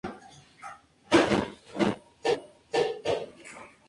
Es posible que lo considerado como extremo sea verdadero.